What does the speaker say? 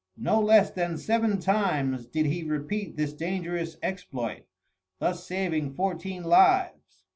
No less than seven times did he repeat this dangerous exploit, thus saving fourteen lives.